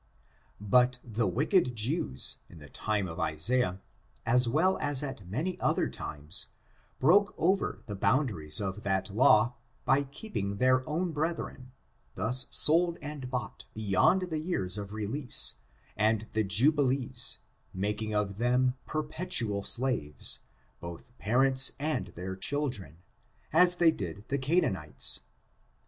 But the wicked Jews, in the time of Isaiah, as well as at many other times, broke over the boundaries of that law, by keeping their own brethren^ thus sold and bought beyond the years of release, and the Ju bilees making of them perpetual slaves, both parents and their children, as they did the Canaanites.